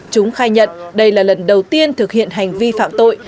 chúng khai nhận đây là lần đầu tiên thực hiện hành vi phạm tội